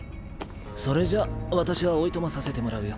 それじゃ私はおいとまさせてもらうよ。